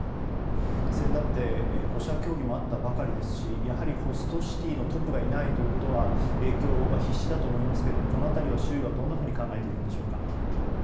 先だって５者協議もあったばかりですしやはりホストシティーのトップがいないということは影響は必至だと思いますがこの辺り、周囲はどんなふうに考えているのでしょうか。